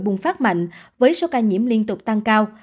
bùng phát mạnh với số ca nhiễm liên tục tăng cao